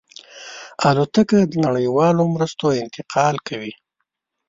الوتکه د نړیوالو مرستو انتقال کوي.